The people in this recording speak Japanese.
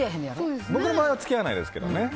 僕の場合は付き合わないですけどね。